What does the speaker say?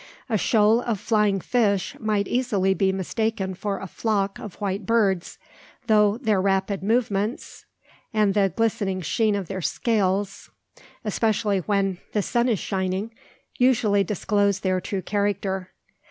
A shoal of flying fish might easily be mistaken for a flock of white birds, though their rapid movements, and the glistening sheen of their scales especially when the sun is shining usually disclose their true character.